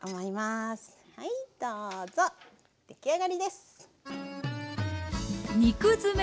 はいどうぞ出来上がりです。